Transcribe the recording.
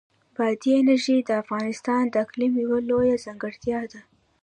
بادي انرژي د افغانستان د اقلیم یوه لویه ځانګړتیا ده.